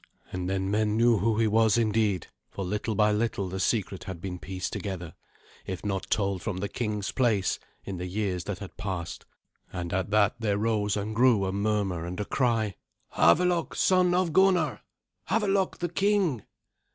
And then men knew who he was indeed, for little by little the secret had been pieced together, if not told from the king's place, in the years that had passed. And at that there rose and grew a murmur and a cry. "Havelok, son of Gunnar! Havelok the king!"